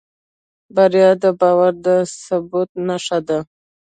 بریا د باور د ثبوت نښه ده.